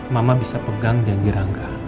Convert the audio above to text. mama bisa pegang janji rangga